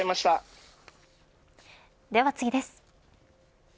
では次です。